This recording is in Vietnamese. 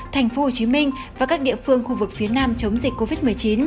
tp hcm và các địa phương khu vực phía nam chống dịch covid một mươi chín